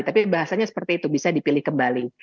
tapi bahasanya seperti itu bisa dipilih kembali